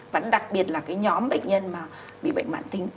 vẫn đặc biệt là cái nhóm bệnh nhân mà bị bệnh mạn tính